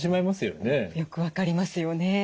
よく分かりますよね。